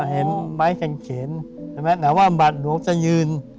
เห็นไม้กางเข็นแต่ว่าบาทหลวงจะยืน